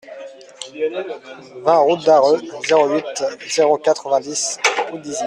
vingt route d'Arreux, zéro huit, zéro quatre-vingt-dix, Houldizy